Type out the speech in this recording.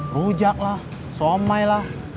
rujak lah somai lah